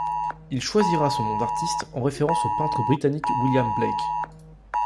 Il choisira son nom d'artiste en référence au peintre britannique William Blake.